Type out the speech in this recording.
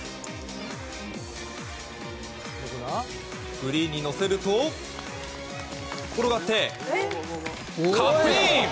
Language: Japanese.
グリーンに乗せると転がってカップイン！